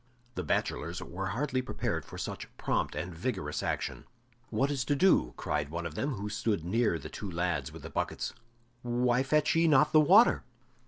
The bachelors were hardly prepared for such prompt and vigorous action. "What is to do?" cried one of them, who stood near the two lads with the buckets. "Why fetch ye not the water?"